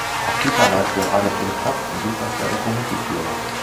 Auf Kika läuft gerade Jim Knopf und Lukas der Lokomotivführer.